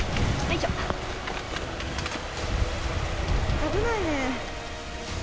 危ないね。